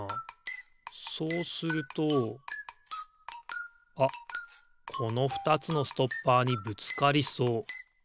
そうするとあっこのふたつのストッパーにぶつかりそう。